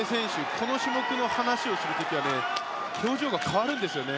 この種目の話をする時には表情が変わるんですよね。